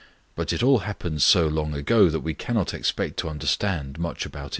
But it all happened so long ago that we cannot expect to understand much about it now.'